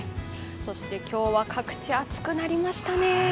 今日は各地暑くなりましたね。